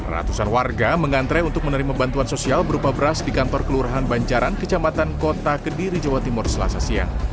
ratusan warga mengantre untuk menerima bantuan sosial berupa beras di kantor kelurahan banjaran kecamatan kota kediri jawa timur selasa siang